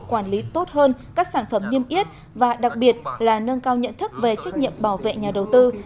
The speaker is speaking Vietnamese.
quản lý tốt hơn các sản phẩm niêm yết và đặc biệt là nâng cao nhận thức về trách nhiệm bảo vệ nhà đầu tư